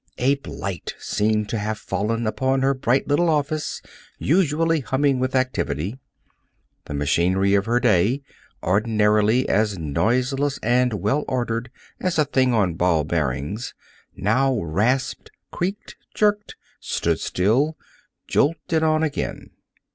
A blight seemed to have fallen upon her bright little office, usually humming with activity. The machinery of her day, ordinarily as noiseless and well ordered as a thing on ball bearings, now rasped, creaked, jerked, stood still, jolted on again.